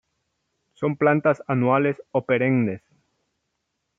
Son plantas anuales o perennes.